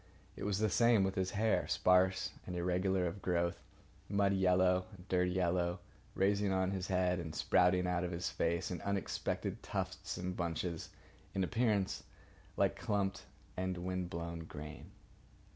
It was the same with his hair, sparse and irregular of growth, muddy yellow and dirty yellow, rising on his head and sprouting out of his face in unexpected tufts and bunches, in appearance like clumped and wind blown grain.